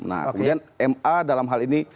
nah kemudian ma dalam hal ini